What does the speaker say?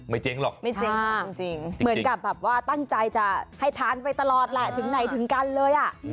ไม่เจ๊งหรอกเหมือนกับว่าตั้งใจจะให้ทานไปตลอดแหละถึงไหนถึงกันเลย